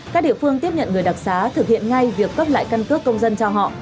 các địa phương tiếp nhận người đặc xá thực hiện ngay việc cấp lại căn cước công dân cho họ